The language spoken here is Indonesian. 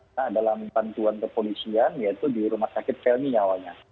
nah dalam pantuan kepolisian yaitu di rumah sakit felmi awalnya